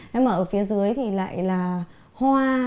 hay mà ở phía dưới thì lại là hoa